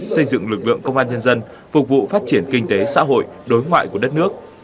xây dựng lực lượng công an nhân dân phục vụ phát triển kinh tế xã hội đối ngoại của đất nước